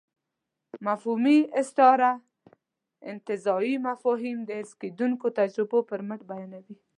مفهومي استعاره انتزاعي مفاهيم د حس کېدونکو تجربو پر مټ بیانوي.